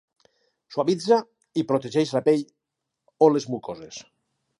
Suavitza i protegeix la pell o les mucoses.